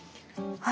はい。